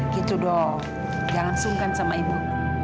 gitu dong jangan sungkan sama ibu